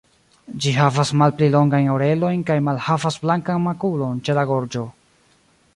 Ĝi havas malpli longajn orelojn kaj malhavas blankan makulon ĉe la gorĝo.